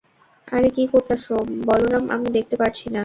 আরে কী করতাছো, বলরাম আমি দেখতে পারছি না।